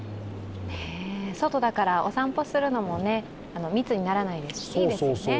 外だからお散歩するのも密にならないですし、いいですね。